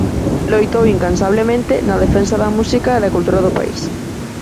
Loitou incansablemente na defensa da música e da cultura do país.